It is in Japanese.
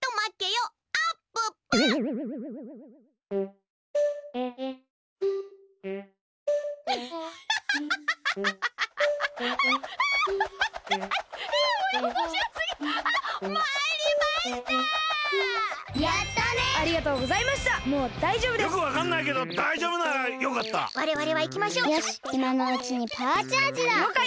よしいまのうちにパワーチャージだ！